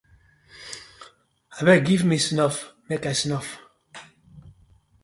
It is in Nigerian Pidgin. Abeg giv me snuff mek I snuff.